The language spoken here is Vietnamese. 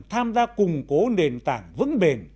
tham gia củng cố nền tảng vững bền